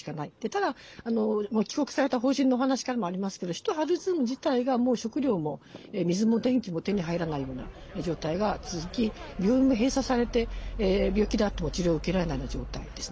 ただ、帰国された邦人の話からもありますけど首都ハルツーム自体がもう食料も水も電気も手に入らないような状態が続き病院も閉鎖されて病気であっても治療を受けられないような状態です。